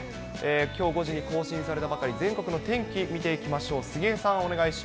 きょう５時に更新されたばかり、全国の天気、見ていきましょう。